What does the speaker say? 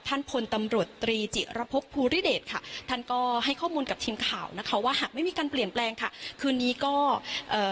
พลตำรวจตรีจิระพบภูริเดชค่ะท่านก็ให้ข้อมูลกับทีมข่าวนะคะว่าหากไม่มีการเปลี่ยนแปลงค่ะคืนนี้ก็เอ่อ